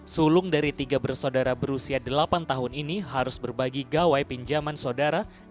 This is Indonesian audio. sulung dari tiga bersaudara berusia delapan tahun ini harus berbagi gawai pinjaman saudara